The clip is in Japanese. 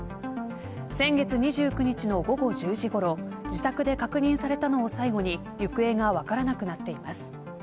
先月２９日の午後１０時ごろ自宅で確認されたのを最後に行方が分からなくなっています。